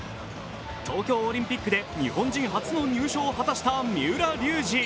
東京オリンピックで日本人初の入賞を果たした三浦龍司。